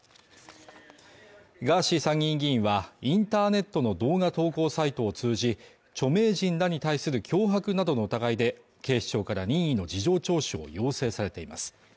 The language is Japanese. ガーシー参院議員はインターネットの動画投稿サイトを通じ著名人らに対する脅迫などの疑いで警視庁から任意の事情聴取を要請されています